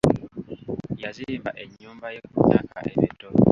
Yazimba ennyumba ye ku myaka emito.